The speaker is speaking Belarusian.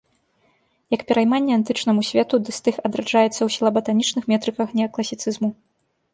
Як перайманне антычнаму свету дыстых адраджаецца ў сілаба-танічных метрыках неакласіцызму.